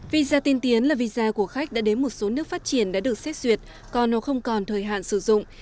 visa tiên tiến là visa của khách đã đến một số nước phát triển đã được xét xuyệt còn hoặc không còn thời hạn sử dụng